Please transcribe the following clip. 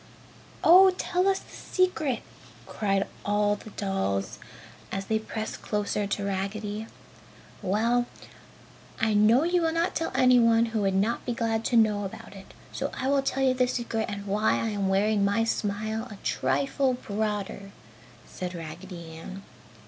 "Oh tell us the secret!" cried all the dolls, as they pressed closer to Raggedy. "Well, I know you will not tell anyone who would not be glad to know about it, so I will tell you the secret and why I am wearing my smile a trifle broader!" said Raggedy Ann.